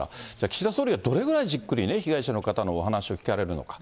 岸田総理がどれだけじっくり被害者の方のお話を聞かれるのか。